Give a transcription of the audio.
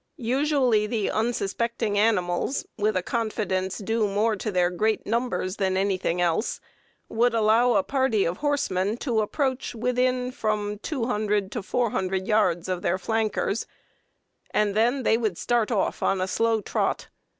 Usually the unsuspecting animals, with a confidence due more to their great numbers than anything else, would allow a party of horsemen to approach within from 200 to 400 yards of their flankers, and then they would start off on a slow trot.